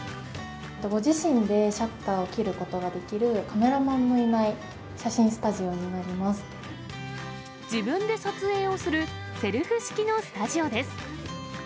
ご自身でシャッターを切ることができる、カメラマンのいない自分で撮影をする、セルフ式のスタジオです。